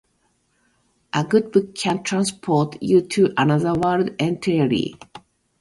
A good book can transport you to another world entirely.